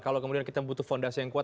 kalau kemudian kita butuh fondasi yang kuat